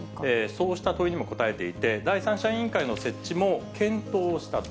そうした問いにも答えていて、第三者委員会の設置も検討したと。